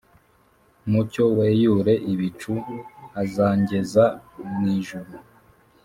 Mucyo weyure ibicu, Azangeza mw’ ijuru.